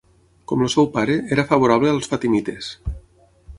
Com el seu pare, era favorable als fatimites.